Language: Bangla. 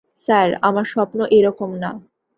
স্যার, আমার স্বপ্ন এ-রকম না।